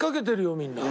みんな。